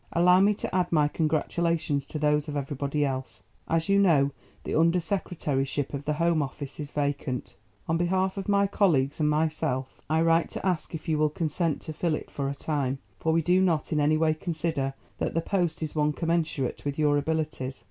Allow me to add my congratulations to those of everybody else. As you know, the Under Secretaryship of the Home Office is vacant. On behalf of my colleagues and myself I write to ask if you will consent to fill it for a time, for we do not in any way consider that the post is one commensurate with your abilities.